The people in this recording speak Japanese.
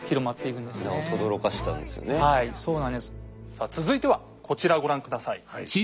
さあ続いてはこちらをご覧下さい。